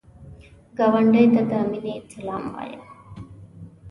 ګاونډي ته د مینې سلام وایه